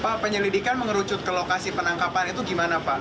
pak penyelidikan mengerucut ke lokasi penangkapan itu gimana pak